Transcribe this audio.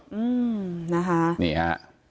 อืมนะฮะ